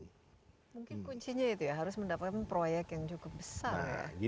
mungkin kuncinya itu ya harus mendapatkan proyek yang cukup besar ya